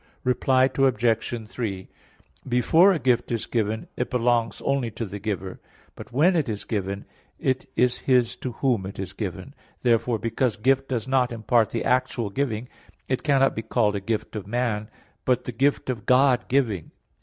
Reply Obj. 3: Before a gift is given, it belongs only to the giver; but when it is given, it is his to whom it is given. Therefore, because "Gift" does not import the actual giving, it cannot be called a gift of man, but the Gift of God giving.